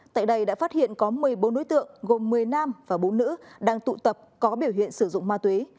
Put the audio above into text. tại đây đã phát hiện có một mươi bốn đối tượng gồm một mươi nam và bốn nữ đang tụ tập có biểu hiện sử dụng ma túy